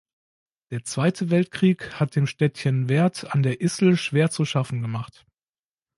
Der Zweite Weltkrieg hat dem Städtchen Werth an der Issel schwer zu schaffen gemacht.